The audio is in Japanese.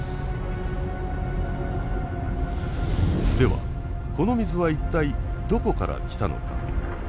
ではこの水は一体どこから来たのか。